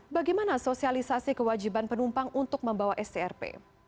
bagaimana sosialisasi kewajiban penumpang untuk membawa strp